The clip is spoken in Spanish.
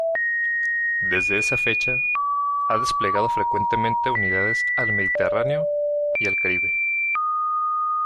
Desde esa fecha, ha desplegado frecuentemente unidades al Mediterráneo y al Caribe.